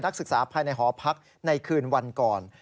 ศึกษาภายในหอพักในคืนวันก่อน